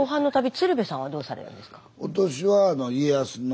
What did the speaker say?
鶴瓶さんはどうされるんですか？